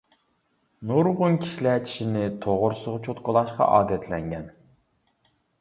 نۇرغۇن كىشىلەر چىشىنى توغرىسىغا چوتكىلاشقا ئادەتلەنگەن.